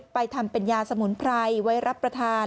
ไปทำเป็นยาสมุนไพรไว้รับประทาน